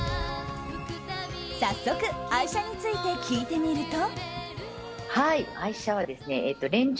早速、愛車について聞いてみると。